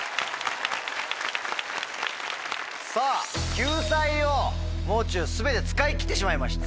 さぁ救済を「もう中」全て使い切ってしまいました。